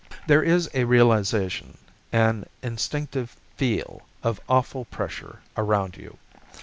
There is a realization, an instinctive feel of awful pressure around you.